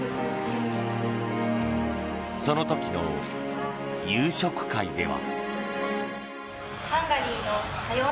その時の夕食会では。